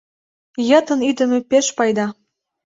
Йытын ӱдымӧ пеш пайда.